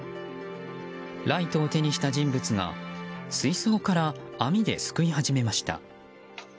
ライトを手にした人物が水槽から網ですくい始めました。